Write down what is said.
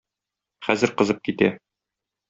Хәзер кызып китә.